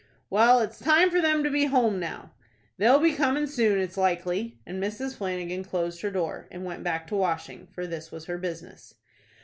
"Well, it's time for them to be home now." "They'll be comin' soon, it's likely;" and Mrs. Flanagan closed her door, and went back to washing,—for this was her business.